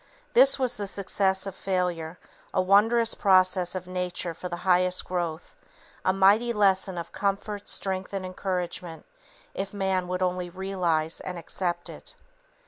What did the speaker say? This was the success of failure, a wondrous process of Nature for the highest growth, a mighty lesson of comfort, strength, and encouragement if man would only realize and accept it.